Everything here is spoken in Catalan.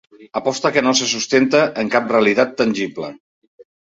Aposta que no se sustenta en cap realitat tangible.